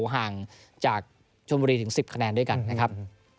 ห่างจากชนบุรีถึง๑๐คะแนนด้วยกันนะครับ